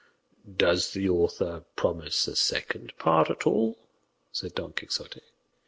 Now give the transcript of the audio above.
"Does the author promise a second part at all?" said Don Quixote.